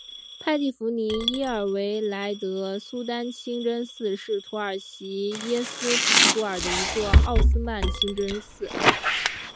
派蒂芙妮耶尔韦莱德苏丹清真寺是土耳其伊斯坦布尔的一座奥斯曼清真寺。